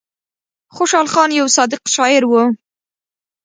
خوشال خان يو صادق شاعر وو ـ